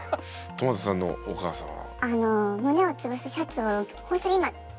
トマトさんのお母さんは。